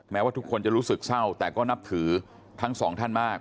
ว่าทุกคนจะรู้สึกเศร้าแต่ก็นับถือทั้งสองท่านมาก